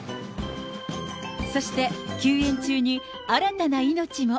そして、休園中に新たな命も。